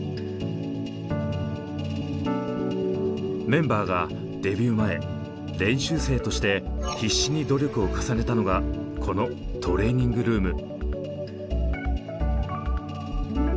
メンバーがデビュー前練習生として必死に努力を重ねたのがこのトレーニングルーム。